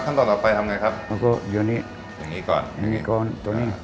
ขั้นต่อต่อไปทำไงครับอากออยู่นี่อย่างงี้ก่อนอย่างงี้ก่อนตัวนี้